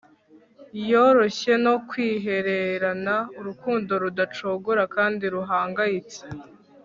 Yoroshywe no kwihererana urukundo rudacogora kandi ruhangayitse